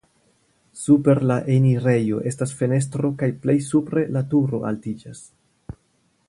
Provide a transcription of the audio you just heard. Super la enirejo estas fenestro kaj plej supre la turo altiĝas.